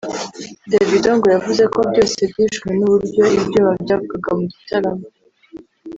Davido ngo yavuze ko byose byishwe n’uburyo ibyuma byavugaga mu gitaramo